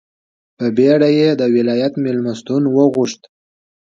په بېړه یې د ولایت مېلمستون وغوښت.